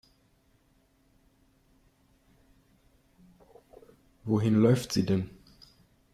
Wohin läuft sie denn?